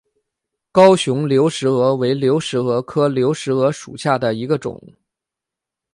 高雄流石蛾为流石蛾科流石蛾属下的一个种。